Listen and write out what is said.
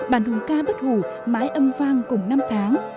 bản hùng ca bất hủ mãi âm vang cùng năm tháng